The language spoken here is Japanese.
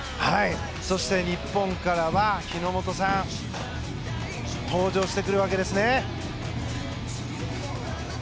そして日本からは日本さん登場してくるわけです。